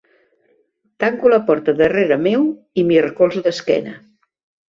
Tanco la porta darrere meu i m'hi recolzo d'esquena.